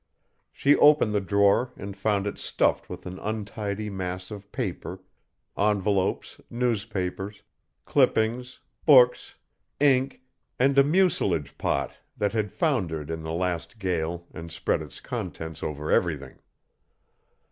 She opened the drawer and found it stuffed with an untidy mass of paper, envelopes, newspapers, clippings, books, ink, and a mucilage pot that had foundered in the last gale and spread its contents over everything.